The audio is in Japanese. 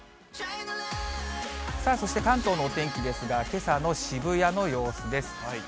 そして関東のお天気ですが、けさの渋谷の様子です。